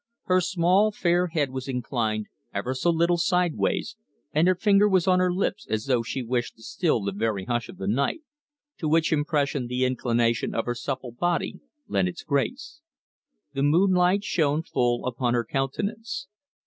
Her small fair head was inclined ever so little sideways and her finger was on her lips as though she wished to still the very hush of night, to which impression the inclination of her supple body lent its grace. The moonlight shone full upon her countenance.